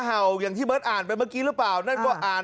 หาวหาวหาวหาวหาวหาวหาวหาวหาวหาว